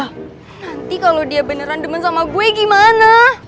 nanti kalau dia beneran demen sama gue gimana